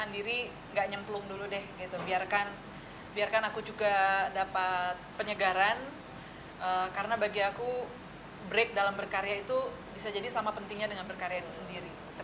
aku juga dapat penyegaran karena bagi aku break dalam berkarya itu bisa jadi sama pentingnya dengan berkarya itu sendiri